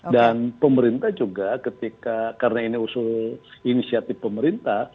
dan pemerintah juga ketika karena ini usul inisiatif pemerintah